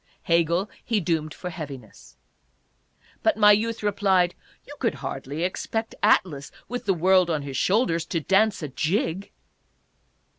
Hegel he doomed for heaviness. But my youth replied :" You could hardly expect Atlas, with the world on his shoulders, to dance a jig."